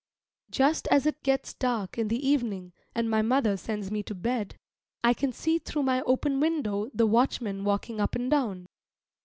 Just as it gets dark in the evening and my mother sends me to bed, I can see through my open window the watchman walking up and down.